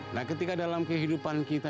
nah ketika dalam kehidupan kita